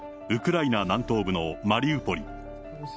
ウクライナ南東部のマリウポリ。